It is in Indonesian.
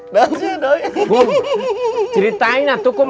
bom ceritainlah tukom